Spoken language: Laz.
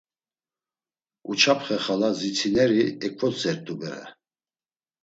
Uçapxe xala zitsineri eǩvotzert̆u bere.